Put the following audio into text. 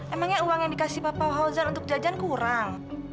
emangnya uang yang dikasih papa hozer untuk jajan kurang